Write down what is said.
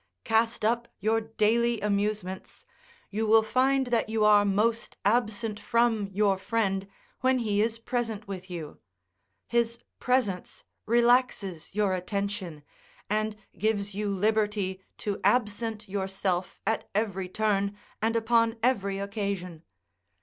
Cast up your daily amusements; you will find that you are most absent from your friend when he is present with you; his presence relaxes your attention, and gives you liberty to absent yourself at every turn and upon every occasion.